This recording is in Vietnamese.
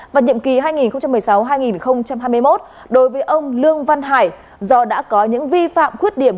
và nhiệm kỳ hai nghìn một mươi sáu hai nghìn hai mươi một đối với ông lương văn hải do đã có những vi phạm khuyết điểm